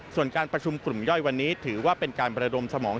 ส่วนการประชุมกลุ่มย่อยวันนี้ถือว่าเป็นการประดมสมอง